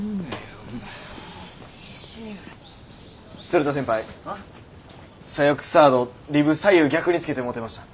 鶴田先輩左翼サードリブ左右逆につけてもうてました。